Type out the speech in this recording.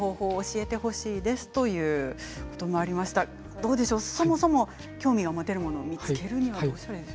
どうでしょうかそもそも興味を持てるものを見つけるのは。